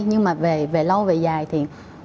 nhưng mà về lâu về dài thì